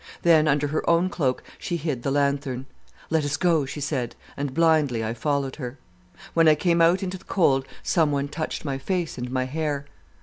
Then under her own cloak she hid the lanthorn. "'Let us go,' she said, and blindly I followed her. "When I came out into the cold someone touched my face and my hair.